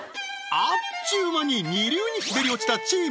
あっちゅう間に二流に滑り落ちたチーム